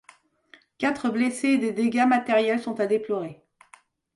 Quatre blessés et des dégâts matériels sont à déplorer.